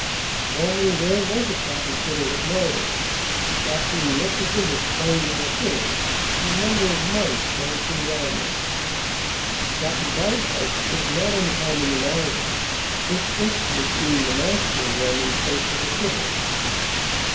Formerly there was a "Cat and Fiddle at Norwich, the Cat being represented playing on a fiddle, and a number of mice dancing round her." Cat and Bagpipes. Was not uncommon in Ireland, this instrument being the national one in place of the fiddle.